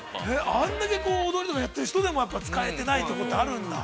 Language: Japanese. ◆あんだけ踊りとかやってる人でも使えてないとこってあるんだ。